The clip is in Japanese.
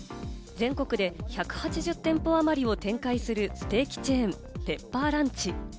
全国で１８０店舗あまりを展開するステーキチェーン、ペッパーランチ。